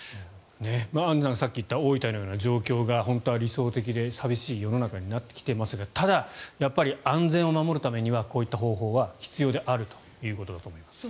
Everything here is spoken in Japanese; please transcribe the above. アンジュさんがさっき言った大分のような状況が本当は理想的で寂しい世の中になってきていますがただ、安全を守るためにはこういった方法は必要であるということだと思います。